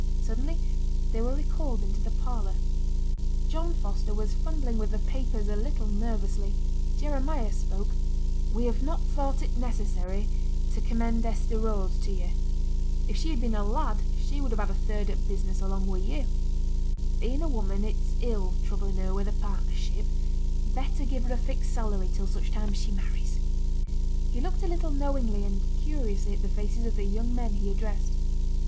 Suddenly they were recalled into the parlour. John Foster was fumbling with the papers a little nervously: Jeremiah spoke 'We have not thought it necessary to commend Hester Rose to you; if she had been a lad she would have had a third o' the business along wi' yo'. Being a woman, it's ill troubling her with a partnership; better give her a fixed salary till such time as she marries.' He looked a little knowingly and curiously at the faces of the young men he addressed.